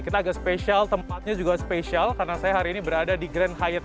kita agak spesial tempatnya juga spesial karena saya hari ini berada di grand hyat